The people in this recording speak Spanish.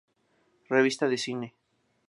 Revista de cine